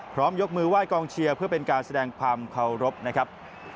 ยกมือไห้กองเชียร์เพื่อเป็นการแสดงความเคารพนะครับ